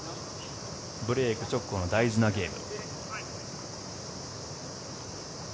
ブレーク直後の大事なゲーム。